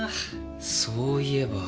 そういえば。